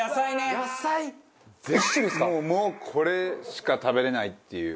もうこれしか食べれないっていう。